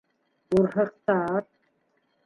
Бурһыҡтар